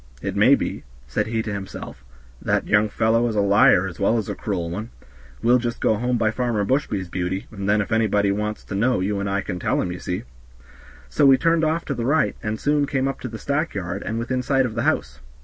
"It may be," said he to himself, "that young fellow is a liar as well as a cruel one; we'll just go home by Farmer Bushby's, Beauty, and then if anybody wants to know you and I can tell 'em, ye see." So we turned off to the right, and soon came up to the stack yard, and within sight of the house.